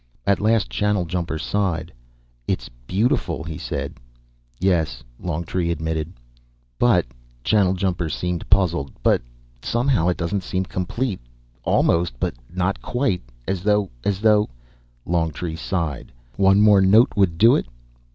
At last Channeljumper sighed. "It's beautiful," he said. "Yes," Longtree admitted. "But " Channeljumper seemed puzzled "but somehow it doesn't seem complete. Almost, but not quite. As though as though " Longtree sighed. "One more note would do it.